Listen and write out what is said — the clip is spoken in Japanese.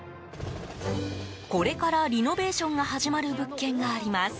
これからリノベーションが始まる物件があります。